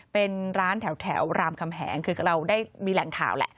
เป็นร้านแถวรามคำแหงคือเราได้มีแหล่งข่าวแหละ